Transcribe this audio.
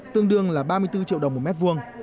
tương đương là ba mươi bốn triệu đồng một mét vuông